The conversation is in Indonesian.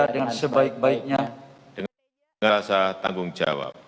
dengan penuh rasa tanggung jawab